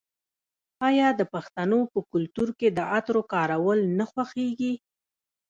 آیا د پښتنو په کلتور کې د عطرو کارول نه خوښیږي؟